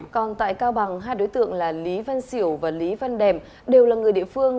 còn tại cao bằng hai đối tượng là lý văn xỉu và lý văn đèm đều là người địa phương